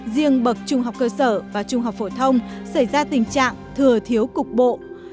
riêng bậc trung học cơ sở và trung học phổ thông xảy ra tình trạng thừa thiếu cơ sở